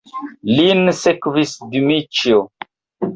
Lin sekvis Dmiĉjo.